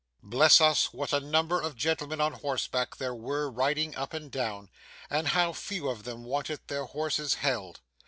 Bless us, what a number of gentlemen on horseback there were riding up and down, and how few of them wanted their horses held!